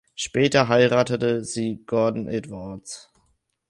Später heiratete sie Gordon Edwards.